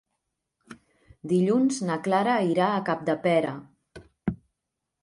Dilluns na Clara irà a Capdepera.